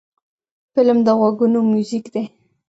فلم د غوږونو میوزیک دی